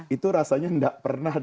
itu rasanya tidak pernah